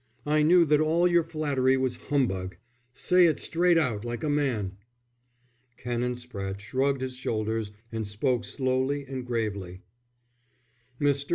I knew that all your flattery was humbug. Say it straight out like a man." Canon Spratte shrugged his shoulders, and spoke slowly and gravely. "Mr.